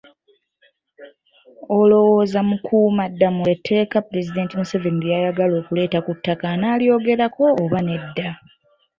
Olowooza Mukuumaddamula etteeka Pulezidenti Museveni ly'ayagala okuleeta ku ttaka anaalyogerako oba nedda?